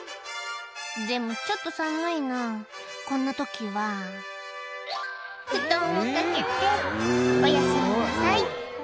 「でもちょっと寒いなぁこんな時は布団をかけておやすみなさい」